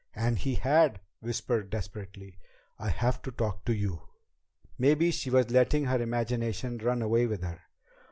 And he had whispered desperately: "I have to talk to you!" Maybe she was letting her imagination run away with her.